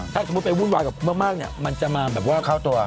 ถ้าสมมุติไปวุ่นวายกับมากมันจะมาเข้าตัว